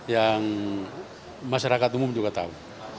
yang masyarakat umum juga tahu